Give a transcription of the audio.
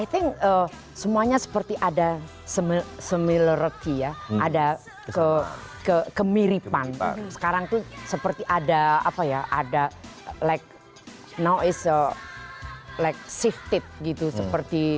i think semuanya seperti ada similarity ya ada kemiripan sekarang tuh seperti ada apa ya ada like now is like shifted gitu seperti